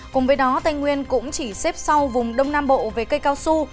cùng với đó tây nguyên cũng chỉ xếp sau vùng đông nam bộ về cây cao su